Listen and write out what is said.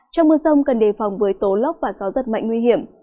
trong mưa rông cần đề phòng với tố lốc và gió giật mạnh nguy hiểm